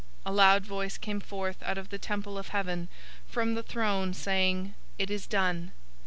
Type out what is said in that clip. A loud voice came forth out of the temple of heaven, from the throne, saying, "It is done!"